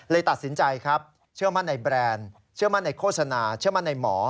ตัดสินใจครับเชื่อมั่นในแบรนด์เชื่อมั่นในโฆษณาเชื่อมั่นในหมอ